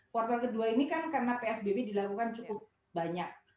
kuartal kedua ini kan karena psbb dilakukan cukup banyak